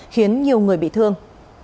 khiến nhiều người bị thương